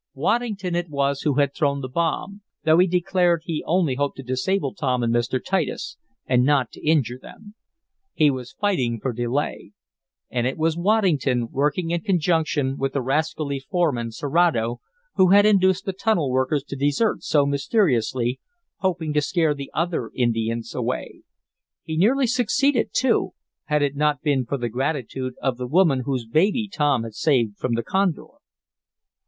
Waddington it was who had thrown the bomb, though he declared he only hoped to disable Tom and Mr. Titus, and not to injure them. He was fighting for delay. And it was Waddington, working in conjunction with the rascally foreman Serato, who had induced the tunnel workers to desert so mysteriously, hoping to scare the other Indians away. He nearly succeeded too, had it not been for the gratitude of the woman whose baby Tom had saved from the condor.